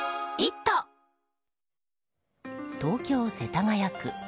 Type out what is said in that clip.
東京・世田谷区。